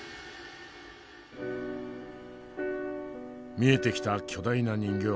見えてきた巨大な人形。